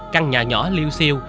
căn nhà nhỏ liêu siêu